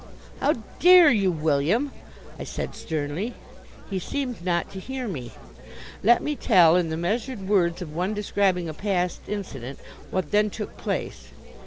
"How dare you, William?" I said, sternly. He seemed not to hear me. Let me tell, in the measured words of one describing a past incident, what then took place.